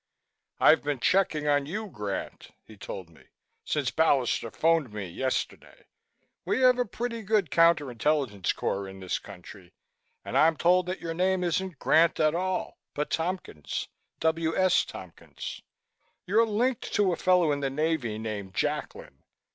"I've been checking on you, Grant," he told me, "since Ballister phoned me yesterday. We have a pretty good counter intelligence corps in this country and I'm told that your name isn't Grant at all, but Tompkins W. S. Tompkins. You're linked to a fellow in the Navy named Jacklin.